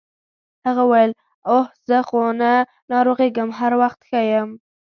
هغه وویل اوه زه خو نه ناروغیږم هر وخت ښه یم.